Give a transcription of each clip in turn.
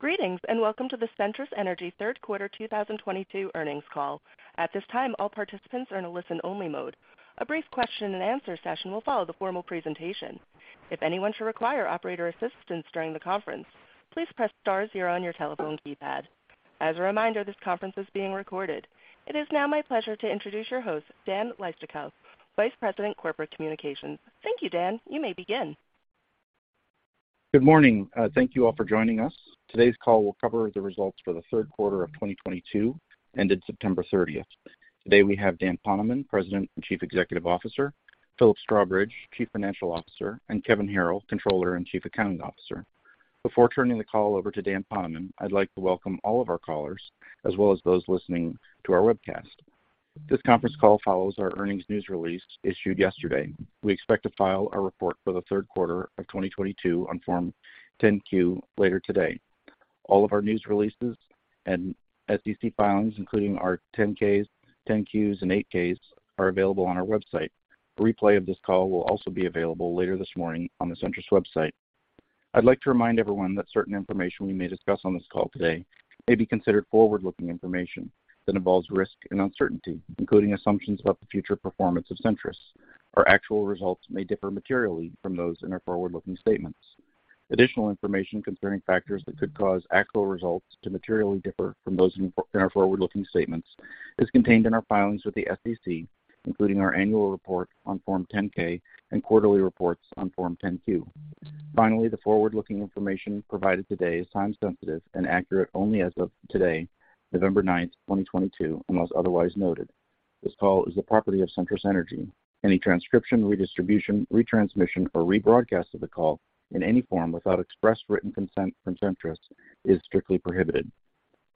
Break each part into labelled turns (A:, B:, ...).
A: Greetings, and welcome to the Centrus Energy third quarter 2022 earnings call. At this time, all participants are in a listen-only mode. A brief question and answer session will follow the formal presentation. If anyone should require operator assistance during the conference, please press star zero on your telephone keypad. As a reminder, this conference is being recorded. It is now my pleasure to introduce your host, Dan Leistikow, Vice President, Corporate Communications. Thank you, Dan. You may begin.
B: Good morning. Thank you all for joining us. Today's call will cover the results for the third quarter of 2022, ended September 30. Today, we have Daniel B. Poneman, President and Chief Executive Officer, Philip O. Strawbridge, Chief Financial Officer, and Kevin Harrill, Controller and Chief Accounting Officer. Before turning the call over to Daniel B. Poneman, I'd like to welcome all of our callers, as well as those listening to our webcast. This conference call follows our earnings news release issued yesterday. We expect to file a report for the third quarter of 2022 on Form 10-Q later today. All of our news releases and SEC filings, including our 10-Ks, 10-Qs, and 8-Ks, are available on our website. A replay of this call will also be available later this morning on the Centrus website. I'd like to remind everyone that certain information we may discuss on this call today may be considered forward-looking information that involves risk and uncertainty, including assumptions about the future performance of Centrus. Our actual results may differ materially from those in our forward-looking statements. Additional information concerning factors that could cause actual results to materially differ from those in our forward-looking statements is contained in our filings with the SEC, including our annual report on Form 10-K and quarterly reports on Form 10-Q. Finally, the forward-looking information provided today is time-sensitive and accurate only as of today, November 9, 2022, unless otherwise noted. This call is the property of Centrus Energy. Any transcription, redistribution, retransmission, or rebroadcast of the call in any form without express written consent from Centrus is strictly prohibited.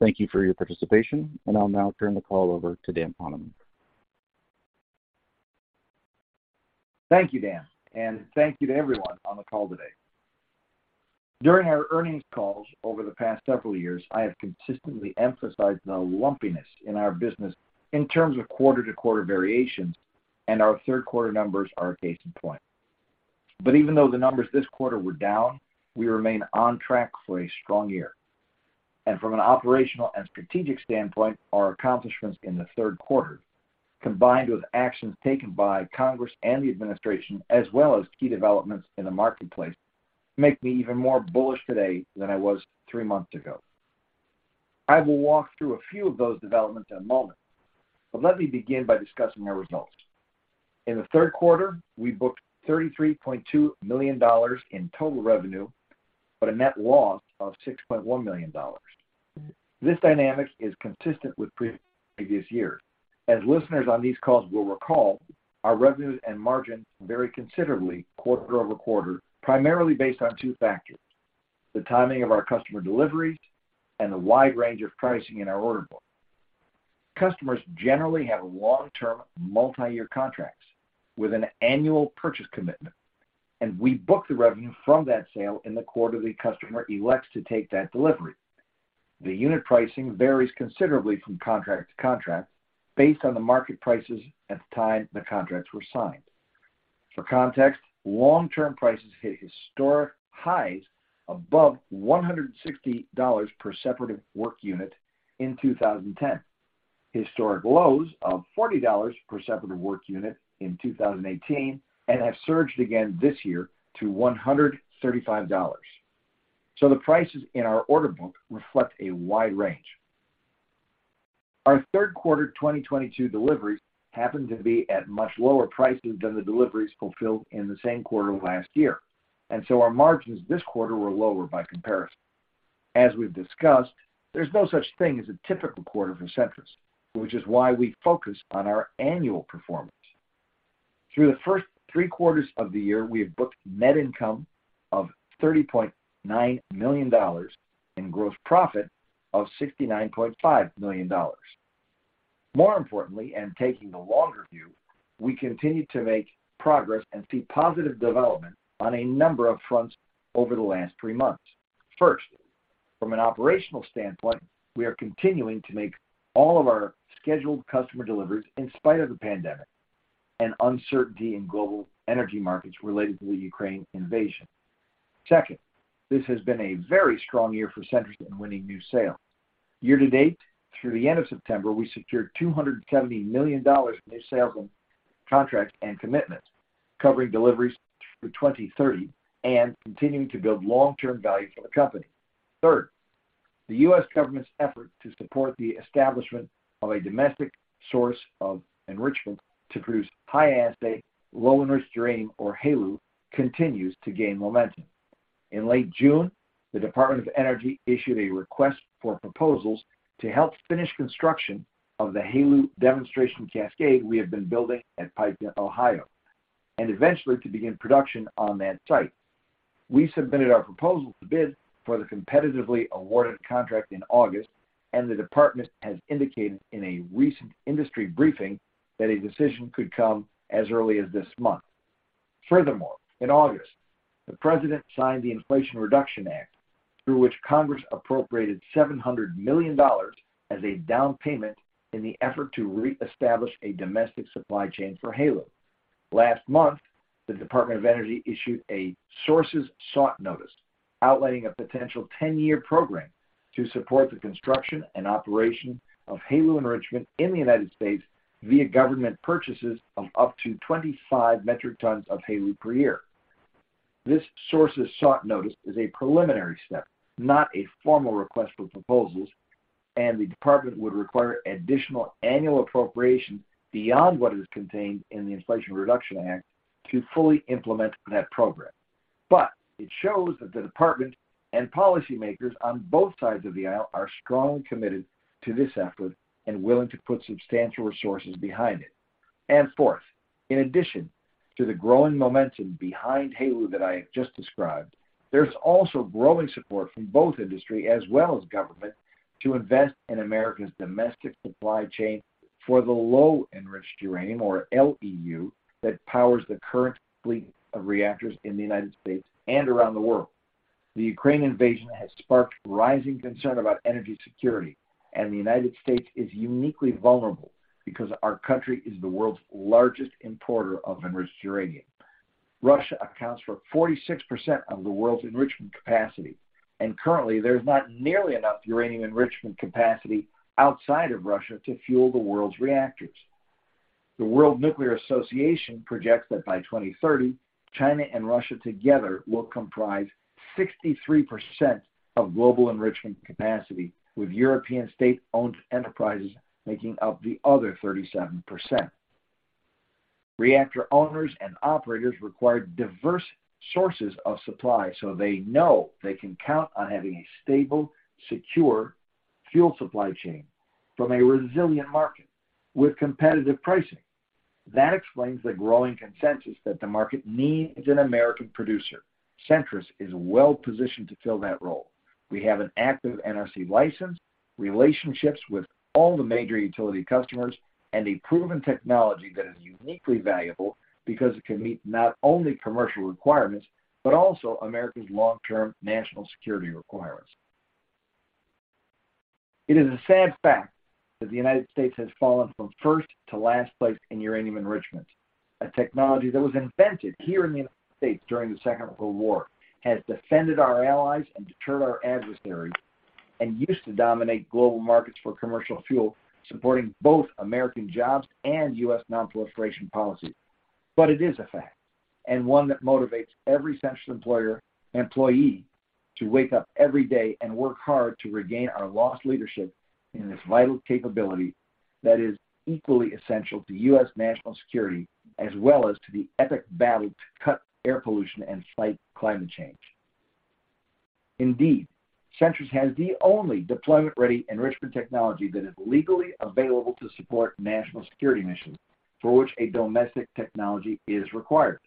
B: Thank you for your participation, and I'll now turn the call over to Dan Poneman.
C: Thank you, Dan, and thank you to everyone on the call today. During our earnings calls over the past several years, I have consistently emphasized the lumpiness in our business in terms of quarter-to-quarter variations, and our third quarter numbers are a case in point. Even though the numbers this quarter were down, we remain on track for a strong year. From an operational and strategic standpoint, our accomplishments in the third quarter, combined with actions taken by Congress and the administration, as well as key developments in the marketplace, make me even more bullish today than I was three months ago. I will walk through a few of those developments in a moment, but let me begin by discussing our results. In the third quarter, we booked $33.2 million in total revenue, but a net loss of $6.1 million. This dynamic is consistent with previous years. As listeners on these calls will recall, our revenue and margins vary considerably quarter-over-quarter, primarily based on two factors, the timing of our customer deliveries and the wide range of pricing in our order book. Customers generally have long-term multi-year contracts with an annual purchase commitment, and we book the revenue from that sale in the quarter the customer elects to take that delivery. The unit pricing varies considerably from contract to contract based on the market prices at the time the contracts were signed. For context, long-term prices hit historic highs above $160 per separative work unit in 2010, historic lows of $40 per separative work unit in 2018, and have surged again this year to $135. The prices in our order book reflect a wide range. Our third quarter 2022 deliveries happened to be at much lower prices than the deliveries fulfilled in the same quarter last year, and so our margins this quarter were lower by comparison. As we've discussed, there's no such thing as a typical quarter for Centrus, which is why we focus on our annual performance. Through the first three quarters of the year, we have booked net income of $30.9 million and gross profit of $69.5 million. More importantly, and taking the longer view, we continued to make progress and see positive development on a number of fronts over the last three months. First, from an operational standpoint, we are continuing to make all of our scheduled customer deliveries in spite of the pandemic and uncertainty in global energy markets related to the Ukraine invasion. Second, this has been a very strong year for Centrus in winning new sales. Year to date, through the end of September, we secured $270 million in new sales contracts and commitments, covering deliveries through 2030 and continuing to build long-term value for the company. Third, the U.S. government's effort to support the establishment of a domestic source of enrichment to produce high-assay, low-enriched uranium or HALEU continues to gain momentum. In late June, the Department of Energy issued a request for proposals to help finish construction of the HALEU demonstration cascade we have been building at Piketon, Ohio, and eventually to begin production on that site. We submitted our proposal to bid for the competitively awarded contract in August, and the department has indicated in a recent industry briefing that a decision could come as early as this month. Furthermore, in August, the President signed the Inflation Reduction Act, through which Congress appropriated $700 million as a down payment in the effort to reestablish a domestic supply chain for HALEU. Last month, the Department of Energy issued a sources sought notice outlining a potential 10-year program to support the construction and operation of HALEU enrichment in the United States via government purchases of up to 25 metric tons of HALEU per year. This sources sought notice is a preliminary step, not a formal request for proposals, and the department would require additional annual appropriation beyond what is contained in the Inflation Reduction Act to fully implement that program. It shows that the department and policymakers on both sides of the aisle are strongly committed to this effort and willing to put substantial resources behind it. Fourth, in addition to the growing momentum behind HALEU that I have just described, there's also growing support from both industry as well as government to invest in America's domestic supply chain for the low enriched uranium, or LEU, that powers the current fleet of reactors in the United States and around the world. The Ukraine invasion has sparked rising concern about energy security, and the United States is uniquely vulnerable because our country is the world's largest importer of enriched uranium. Russia accounts for 46% of the world's enrichment capacity, and currently there's not nearly enough uranium enrichment capacity outside of Russia to fuel the world's reactors. The World Nuclear Association projects that by 2030, China and Russia together will comprise 63% of global enrichment capacity, with European state-owned enterprises making up the other 37%. Reactor owners and operators require diverse sources of supply so they know they can count on having a stable, secure fuel supply chain from a resilient market with competitive pricing. That explains the growing consensus that the market needs an American producer. Centrus is well positioned to fill that role. We have an active NRC license, relationships with all the major utility customers, and a proven technology that is uniquely valuable because it can meet not only commercial requirements, but also America's long-term national security requirements. It is a sad fact that the United States has fallen from first to last place in uranium enrichment. A technology that was invented here in the United States during the Second World War has defended our allies and deterred our adversaries, and used to dominate global markets for commercial fuel, supporting both American jobs and U.S. non-proliferation policy. It is a fact, and one that motivates every Centrus employee to wake up every day and work hard to regain our lost leadership in this vital capability that is equally essential to U.S. national security, as well as to the epic battle to cut air pollution and fight climate change. Indeed, Centrus has the only deployment-ready enrichment technology that is legally available to support national security missions, for which a domestic technology is required.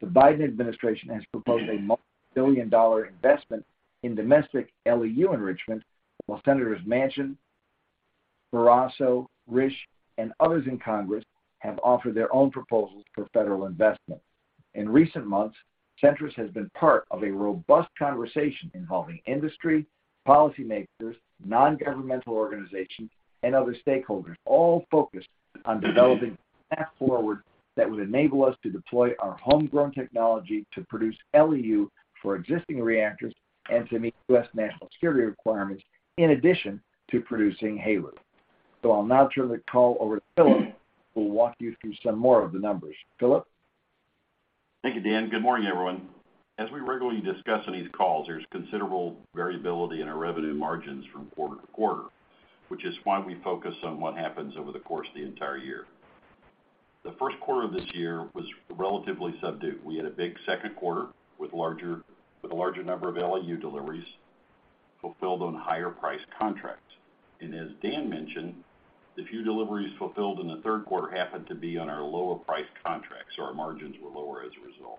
C: The Biden administration has proposed a $ multi-billion investment in domestic LEU enrichment, while Senators Manchin, Barrasso, Risch, and others in Congress have offered their own proposals for federal investment. In recent months, Centrus has been part of a robust conversation involving industry, policymakers, nongovernmental organizations, and other stakeholders, all focused on developing a path forward that would enable us to deploy our homegrown technology to produce LEU for existing reactors and to meet U.S. national security requirements in addition to producing HALEU. I'll now turn the call over to Philip, who will walk you through some more of the numbers. Philip?
D: Thank you, Dan. Good morning, everyone. As we regularly discuss in these calls, there's considerable variability in our revenue margins from quarter to quarter, which is why we focus on what happens over the course of the entire year. The first quarter of this year was relatively subdued. We had a big second quarter with a larger number of LEU deliveries fulfilled on higher priced contracts. As Dan mentioned, the few deliveries fulfilled in the third quarter happened to be on our lower priced contracts, so our margins were lower as a result.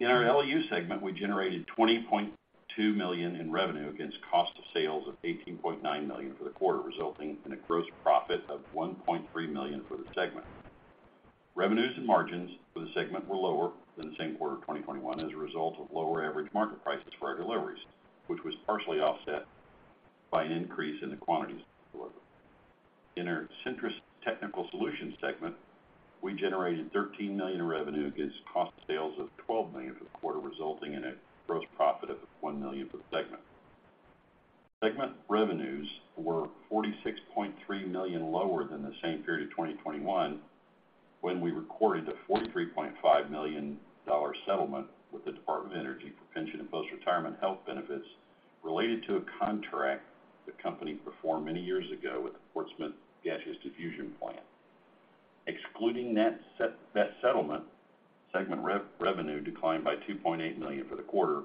D: In our LEU segment, we generated $20.2 million in revenue against cost of sales of $18.9 million for the quarter, resulting in a gross profit of $1.3 million for the segment. Revenues and margins for the segment were lower than the same quarter of 2021 as a result of lower average market prices for our deliveries, which was partially offset by an increase in the quantities delivered. In our Centrus Technical Solutions segment, we generated $13 million in revenue against cost of sales of $12 million for the quarter, resulting in a gross profit of $1 million for the segment. Segment revenues were $46.3 million lower than the same period of 2021, when we recorded a $43.5 million settlement with the Department of Energy for pension and post-retirement health benefits related to a contract the company performed many years ago with the Portsmouth Gaseous Diffusion Plant. Excluding net settlement, segment revenue declined by $2.8 million for the quarter,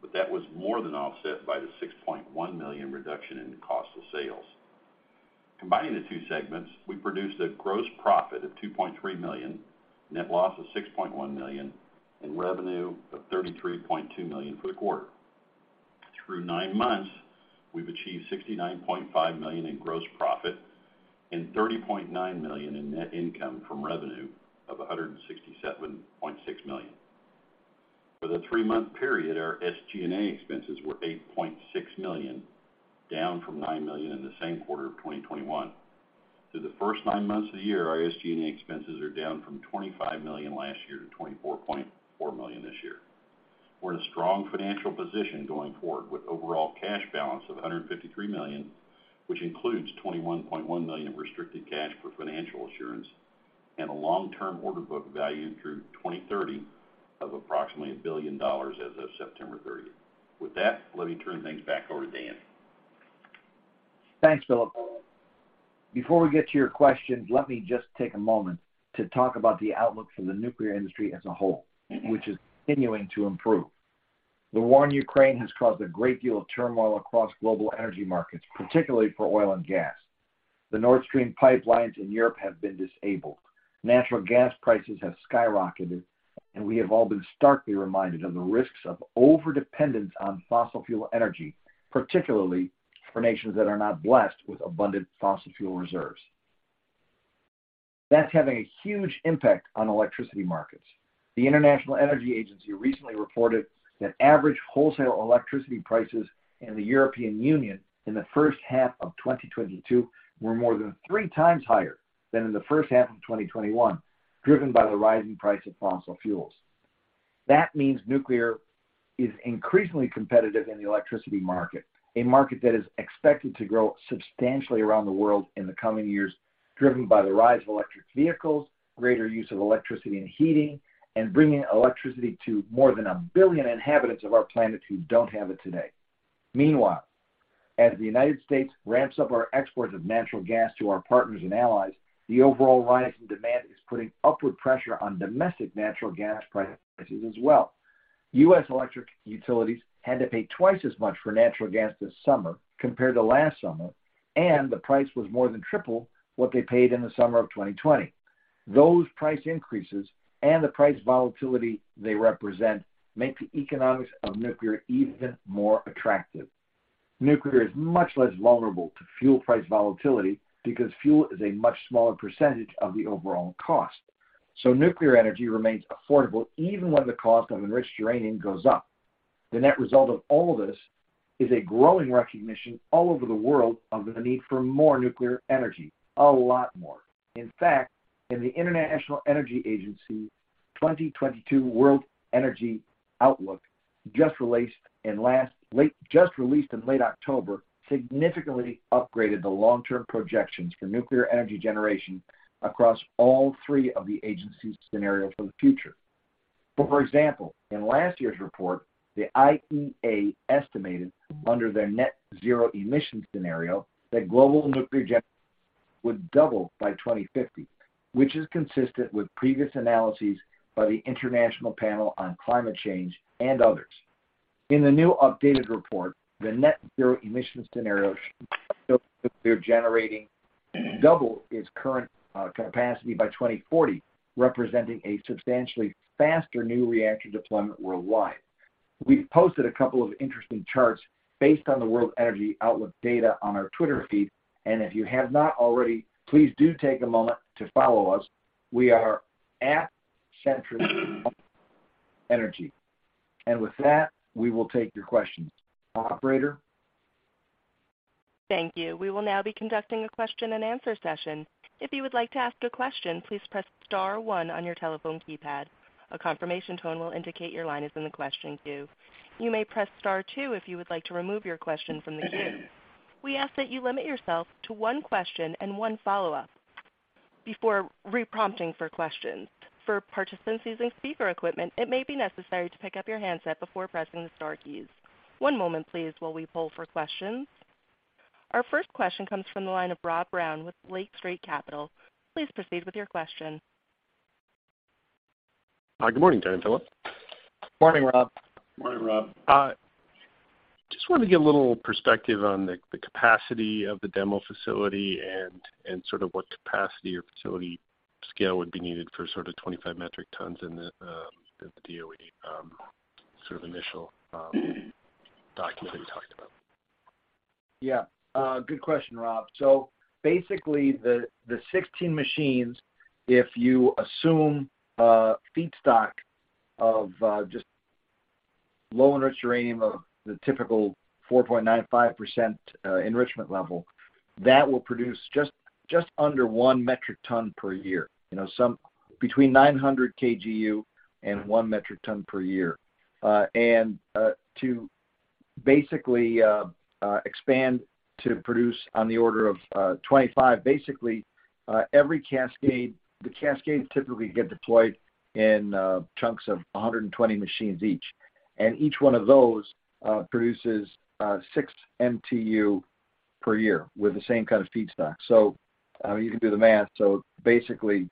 D: but that was more than offset by the $6.1 million reduction in the cost of sales. Combining the two segments, we produced a gross profit of $2.3 million, net loss of $6.1 million, and revenue of $33.2 million for the quarter. Through nine months, we've achieved $69.5 million in gross profit and $30.9 million in net income from revenue of $167.6 million. For the three-month period, our SG&A expenses were $8.6 million, down from $9 million in the same quarter of 2021. Through the first nine months of the year, our SG&A expenses are down from $25 million last year to $24.4 million this year. We're in a strong financial position going forward with overall cash balance of $153 million, which includes $21.1 million restricted cash for financial assurance and a long-term order book value through 2030 of approximately $1 billion as of September 30. With that, let me turn things back over to Dan.
C: Thanks, Philip. Before we get to your questions, let me just take a moment to talk about the outlook for the nuclear industry as a whole, which is continuing to improve. The war in Ukraine has caused a great deal of turmoil across global energy markets, particularly for oil and gas. The Nord Stream pipelines in Europe have been disabled. Natural gas prices have skyrocketed, and we have all been starkly reminded of the risks of overdependence on fossil fuel energy, particularly for nations that are not blessed with abundant fossil fuel reserves. That's having a huge impact on electricity markets. The International Energy Agency recently reported that average wholesale electricity prices in the European Union in the first half of 2022 were more than three times higher than in the first half of 2021, driven by the rising price of fossil fuels. That means nuclear is increasingly competitive in the electricity market, a market that is expected to grow substantially around the world in the coming years, driven by the rise of electric vehicles, greater use of electricity and heating, and bringing electricity to more than 1 billion inhabitants of our planet who don't have it today. Meanwhile, as the United States ramps up our exports of natural gas to our partners and allies, the overall rise in demand is putting upward pressure on domestic natural gas prices as well. U.S. electric utilities had to pay twice as much for natural gas this summer compared to last summer, and the price was more than triple what they paid in the summer of 2020. Those price increases and the price volatility they represent make the economics of nuclear even more attractive. Nuclear is much less vulnerable to fuel price volatility because fuel is a much smaller percentage of the overall cost. Nuclear energy remains affordable even when the cost of enriched uranium goes up. The net result of all of this is a growing recognition all over the world of the need for more nuclear energy, a lot more. In fact, in the International Energy Agency, 2022 World Energy Outlook just released in late October, significantly upgraded the long-term projections for nuclear energy generation across all three of the agency's scenarios for the future. For example, in last year's report, the IEA estimated under their net zero emission scenario that global nuclear generation would double by 2050, which is consistent with previous analyses by the Intergovernmental Panel on Climate Change and others. In the new updated report, the net zero emission scenario shows nuclear generating double its current capacity by 2040, representing a substantially faster new reactor deployment worldwide. We've posted a couple of interesting charts based on the World Energy Outlook data on our Twitter feed, and if you have not already, please do take a moment to follow us. We are @CentrusEnergy. With that, we will take your questions. Operator?
A: Thank you. We will now be conducting a question-and-answer session. If you would like to ask a question, please press star one on your telephone keypad. A confirmation tone will indicate your line is in the question queue. You may press star two if you would like to remove your question from the queue. We ask that you limit yourself to one question and one follow-up before re-prompting for questions. For participants using speaker equipment, it may be necessary to pick up your handset before pressing the star keys. One moment, please, while we poll for questions. Our first question comes from the line of Rob Brown with Lake Street Capital Markets. Please proceed with your question.
E: Hi. Good morning, Dan and Philip.
C: Morning, Rob.
D: Morning, Rob.
E: Just wanted to get a little perspective on the capacity of the demo facility and sort of what capacity or facility scale would be needed for sort of 25 metric tons in the DOE sort of initial document that you talked about.
C: Yeah. Good question, Rob. Basically, the 16 machines, if you assume a feedstock of just low-enriched uranium of the typical 4.95% enrichment level, that will produce just under 1 metric ton per year. You know, between 900 KGU and 1 metric ton per year. To basically expand to produce on the order of 25, basically, every cascade. The cascades typically get deployed in chunks of 120 machines each, and each one of those produces 6 MTU per year with the same kind of feedstock. You can do the math. Basically,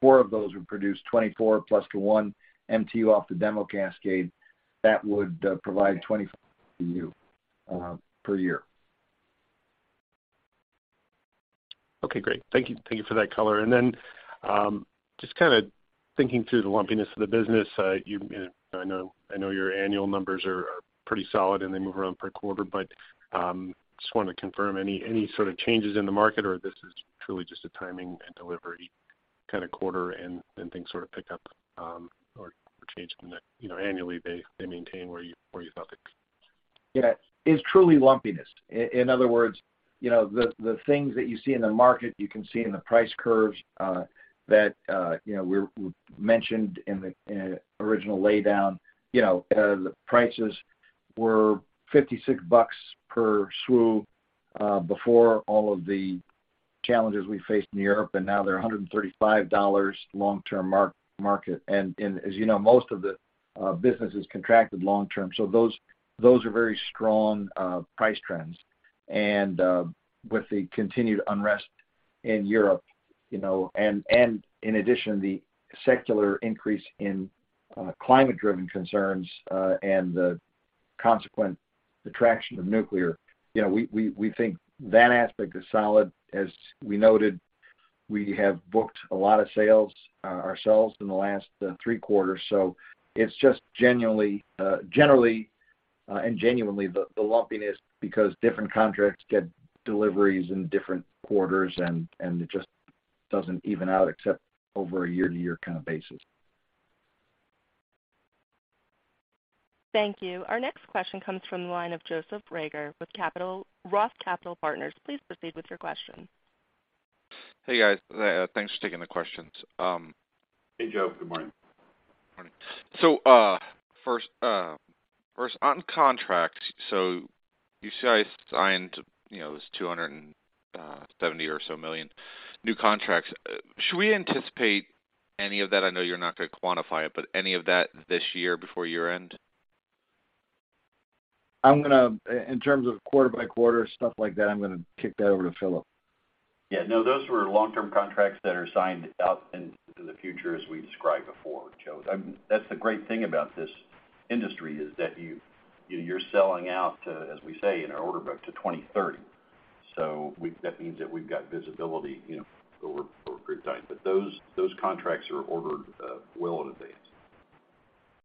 C: four of those would produce 24 plus the 1 MTU off the demo cascade. That would provide 25 MTU per year.
E: Okay, great. Thank you. Thank you for that color. Then, just kinda thinking through the lumpiness of the business, I know your annual numbers are pretty solid and they move around per quarter, but just wanted to confirm any sort of changes in the market, or this is truly just a timing and delivery kind of quarter and then things sort of pick up, or change from there. You know, annually, they maintain where you thought they could.
C: Yeah, it is truly lumpiness. In other words, you know, the things that you see in the market, you can see in the price curves, that you know, we mentioned in the original laydown. You know, the prices were $56 per SWU before all of the challenges we faced in Europe, and now they're $135 long-term market. As you know, most of the business is contracted long term. Those are very strong price trends. With the continued unrest in Europe, you know, and in addition, the secular increase in climate-driven concerns, and the consequent attraction to nuclear, you know, we think that aspect is solid. As we noted, we have booked a lot of sales ourselves in the last three quarters. It's just generally and genuinely the lumpiness because different contracts get deliveries in different quarters, and it just doesn't even out except over a year-to-year kind of basis.
A: Thank you. Our next question comes from the line of Joseph Reagor with Roth Capital Partners. Please proceed with your question.
F: Hey, guys. Thanks for taking the questions.
C: Hey, Joe. Good morning.
F: Morning. First on contracts, so you guys signed, you know, it was $270 or so million new contracts. Should we anticipate any of that? I know you're not gonna quantify it, but any of that this year before year-end?
C: In terms of quarter by quarter, stuff like that, I'm gonna kick that over to Philip.
D: Yeah, no, those were long-term contracts that are signed out into the future, as we described before, Joe. That's the great thing about this industry is that you're selling out to, as we say in our order book, to 2030. That means that we've got visibility, you know, over a good time. Those contracts are ordered well in advance.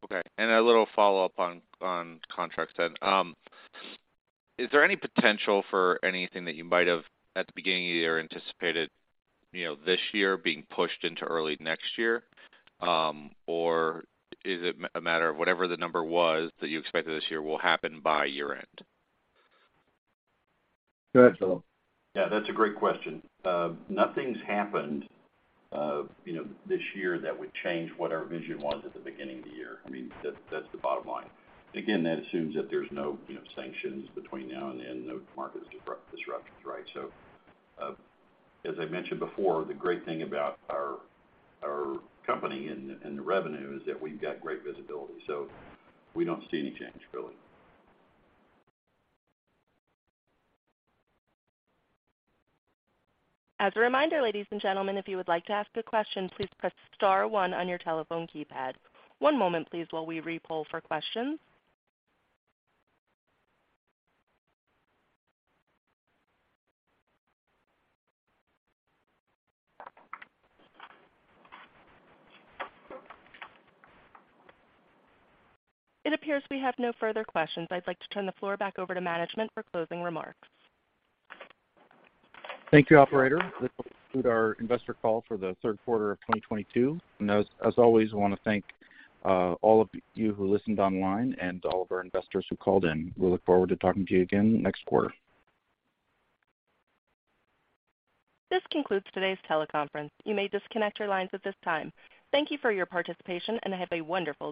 F: Okay. A little follow-up on contracts then. Is there any potential for anything that you might have at the beginning of the year anticipated, you know, this year being pushed into early next year? Or is it a matter of whatever the number was that you expected this year will happen by year-end?
C: Go ahead, Philip.
D: Yeah, that's a great question. Nothing's happened, you know, this year that would change what our vision was at the beginning of the year. I mean, that's the bottom line. Again, that assumes that there's no, you know, sanctions between now and then, no market disruptions, right? So, as I mentioned before, the great thing about our company and the revenue is that we've got great visibility. So we don't see any change, really. As a reminder, ladies and gentlemen, if you would like to ask a question, please press star one on your telephone keypad. One moment, please, while we re-poll for questions. It appears we have no further questions. I'd like to turn the floor back over to management for closing remarks.
C: Thank you, operator. This will conclude our investor call for the third quarter of 2022. As always, I wanna thank all of you who listened online and all of our investors who called in. We look forward to talking to you again next quarter.
A: This concludes today's teleconference. You may disconnect your lines at this time. Thank you for your participation, and have a wonderful day.